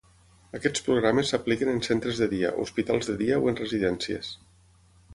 Aquests programes s’apliquen en centres de dia, hospitals de dia o en residències.